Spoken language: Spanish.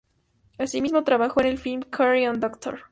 Así mismo trabajó en el film "Carry On Doctor".